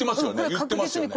言ってますよね。